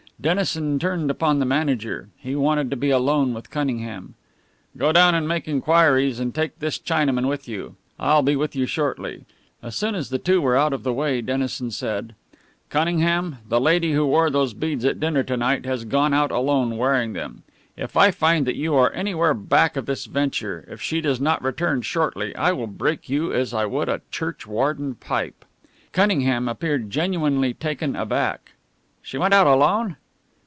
Dennison turned upon the manager. He wanted to be alone with Cunningham. "Go down and make inquiries, and take this Chinaman with you. I'll be with you shortly." As soon as the two were out of the way Dennison said: "Cunningham, the lady who wore those beads at dinner to night has gone out alone, wearing them. If I find that you are anywhere back of this venture if she does not return shortly I will break you as I would a churchwarden pipe." Cunningham appeared genuinely taken aback. "She went out alone?"